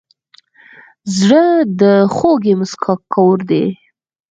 زړه د خوږې موسکا کور دی.